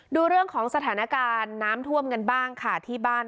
ดูเรื่องของสถานการณ์น้ำท่วมกันบ้างค่ะที่บ้าน